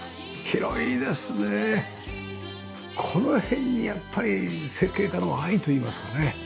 この辺にやっぱり設計家の愛といいますかね。